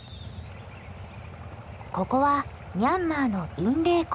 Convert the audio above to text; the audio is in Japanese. ここはミャンマーのインレー湖。